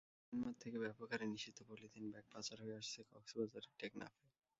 Myanmar থেকে ব্যাপক হারে নিষিদ্ধ পলিথিন ব্যাগ পাচার হয়ে আসছে কক্সবাজারের টেকনাফে।